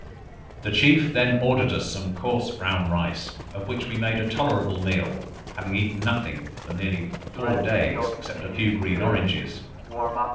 The chief then ordered us some coarse brown rice, of which we made a tolerable meal, having eaten nothing for nearly four days, except a few green oranges.